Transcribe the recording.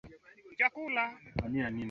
mfano bunge Kwa Kenya kulikuwa na ukabila